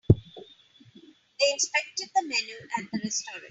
They inspected the menu at the restaurant.